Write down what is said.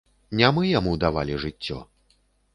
Не мы яму давалі жыццё.